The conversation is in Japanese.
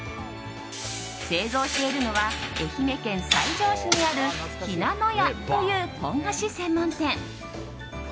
製造しているのは愛媛県西条市にあるひなのやというポン菓子専門店。